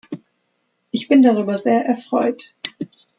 Ich bin darüber sehr erfreut.